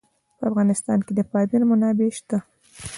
په افغانستان کې د پامیر منابع شته.